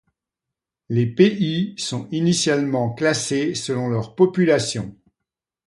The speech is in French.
Les pays sont initialement classés selon leur population.